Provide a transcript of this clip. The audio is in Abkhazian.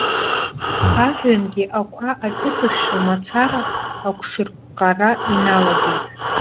Ажәҩангьы ақәа аҿыҵышәшәо мацара, ақәшырпҟҟара иналагеит.